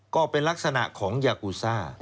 ก็เป็นลักษณะของยากูซ่า